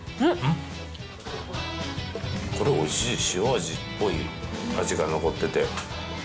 これ、おいしい、塩味っぽい味が残ってて。